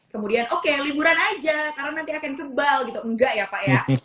kemudian oke liburan aja karena nanti akan kebal gitu enggak ya pak ya